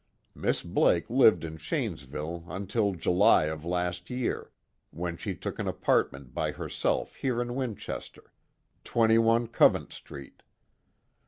Miss Blake lived in Shanesville until July of last year, when she took an apartment by herself here in Winchester 21 Covent Street.